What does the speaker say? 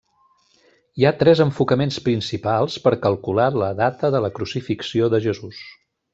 Hi ha tres enfocaments principals per calcular la data de la crucifixió de Jesús.